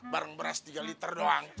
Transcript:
barang beras tiga liter doang